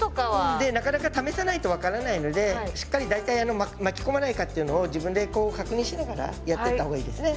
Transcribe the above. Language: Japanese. でなかなか試さないと分からないのでしっかり大体あの巻き込まないかっていうのを自分でこう確認しながらやっていった方がいいですね。